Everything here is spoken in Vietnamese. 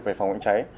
về phòng cháy cháy